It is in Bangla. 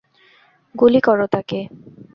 গুলি করো তাকে।